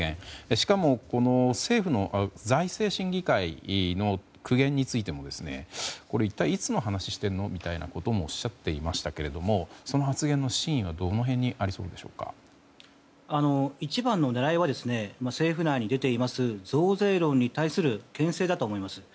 しかも、政府の財政審議会の苦言についてもこれ、一体いつの話をしているのみたいなことをおっしゃっていましたけれどもその発言の真意は一番の狙いは政府内に出ています増税論に対する牽制だと思います。